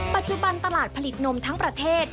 ปัจจุบันตลาดผลิตนมทั้งประเทศ